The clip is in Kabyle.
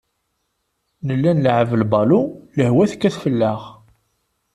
Nella nleɛɛeb lbalu, lehwa tekkat fell-aɣ.